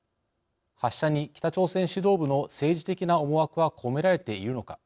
発射に北朝鮮指導部の政治的な思惑は込められているのか。